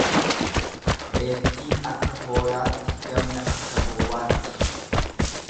Reettii akka hoolaatti gamna akka gowwaatti.